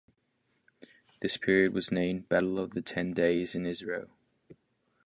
This period was named "Battles of the Ten Days" in Israel.